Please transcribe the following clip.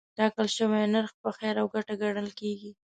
ټاکل شوی نرخ په خیر او ګټه ګڼل کېږي.